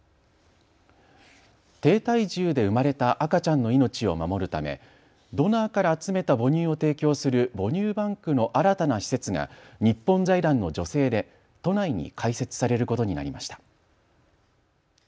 低体重で生まれた赤ちゃんの命を守るためドナーから集めた母乳を提供する母乳バンクの新たな施設が日本財団の助成で都内に開設されることになりました。